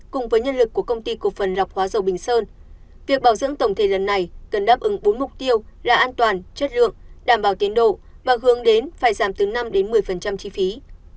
cùng với nhân lực của công ty cổ phần lọc hóa dầu bình sơn việc bảo dưỡng tổng thể lần này cần đáp ứng bốn mục tiêu là an toàn chất lượng đảm bảo tiến độ và hướng đến phải giảm từ năm một mươi chi phí